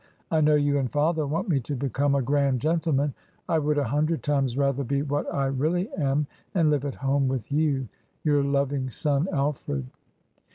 I know you and father want me to become a grand gentleman. I would a hundred times rather be what I really am, and live at home with you. "Your loving son, "Alfred."